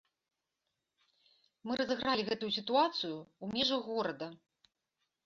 Мы разыгралі гэтую сітуацыю ў межах горада.